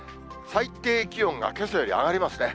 最低気温がけさより上がりますね。